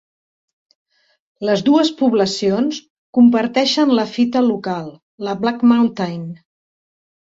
Les dues poblacions comparteixen la fita local, la Black Mountain.